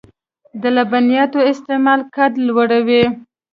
د لبنیاتو استعمال قد لوړوي .